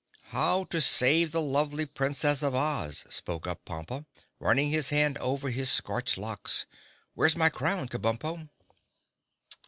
"How to save the lovely Princess of Oz," spoke up Pompa, running his hand over his scorched locks. "Where's my crown, Kabumpo?"